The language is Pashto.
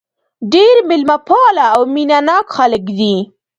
ډېر مېلمه پاله او مینه ناک خلک دي.